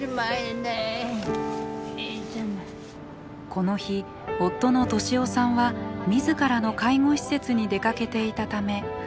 この日夫の利夫さんは自らの介護施設に出かけていたため不在。